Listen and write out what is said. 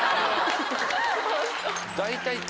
大体。